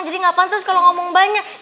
jadi gak pantas kalau ngomong banyak